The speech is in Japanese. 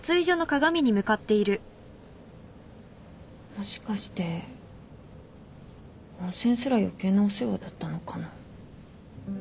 もしかして温泉すら余計なお世話だったのかな。